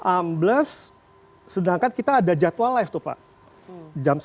ambles sedangkan kita ada jadwal live tuh pak jam sepuluh